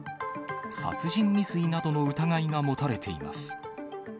殺人未遂などの疑いが持たれています。